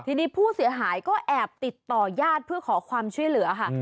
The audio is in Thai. ทีนี้ผู้เสียหายก็แอบติดต่อยาดเพื่อขอความช่วยเหลือค่ะ